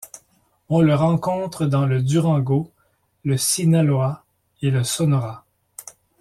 On le rencontre dans le Durango, le Sinaloa et le Sonora.